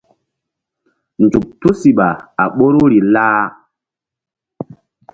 Nzuk tusiɓa a ɓoruri lah.